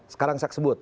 sekarang saya sebut